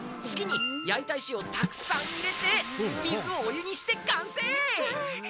つぎにやいたいしをたくさんいれてみずをおゆにしてかんせい！